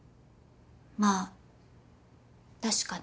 まあ確かに。